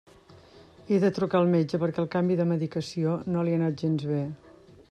He de trucar al metge perquè el canvi de medicació no li ha anat gens bé.